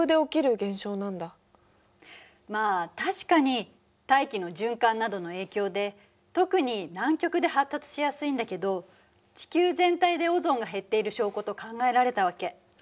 まあ確かに大気の循環などの影響で特に南極で発達しやすいんだけど地球全体でオゾンが減っている証拠と考えられたわけ。